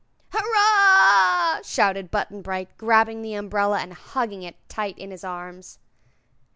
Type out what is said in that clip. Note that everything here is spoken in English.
"Hurrah!" shouted Button Bright, grabbing the umbrella and hugging it tight in his arms.